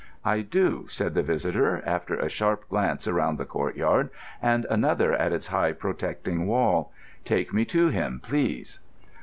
"I do," said the visitor, after a sharp glance around the courtyard, and another at its high protecting wall. "Take me to him, please!"